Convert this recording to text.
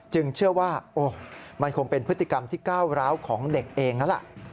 เชื่อว่ามันคงเป็นพฤติกรรมที่ก้าวร้าวของเด็กเองแล้วล่ะ